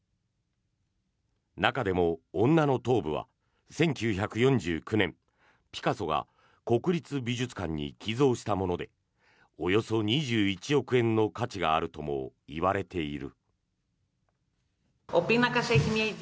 中でも「女の頭部」は１９４９年ピカソが国立美術館に寄贈したものでおよそ２１億円の価値があるともいわれている。